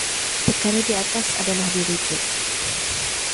Perkara di atas adalah dirujuk.